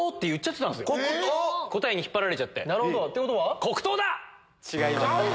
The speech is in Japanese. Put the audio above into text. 答えに引っ張られちゃって。ってことは？